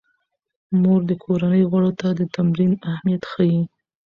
مور د کورنۍ غړو ته د تمرین اهمیت ښيي.